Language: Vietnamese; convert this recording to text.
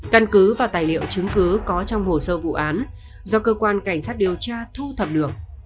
căn cứ và tài liệu chứng cứ có trong hồ sơ vụ án do cơ quan cảnh sát điều tra thu thập được